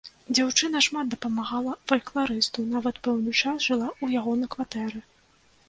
Дзяўчына шмат дапамагала фалькларысту, нават пэўны час жыла ў яго на кватэры.